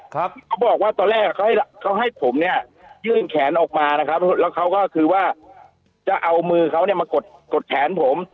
เขาบอกว่าตอนแรกเขาให้เขาให้ผมเนี่ยยื่นแขนออกมานะครับแล้วเขาก็คือว่าจะเอามือเขาเนี่ยมากดกดแขนผม